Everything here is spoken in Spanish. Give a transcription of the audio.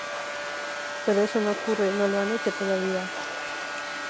Pero eso no ocurre, ¡no lo han hecho todavía!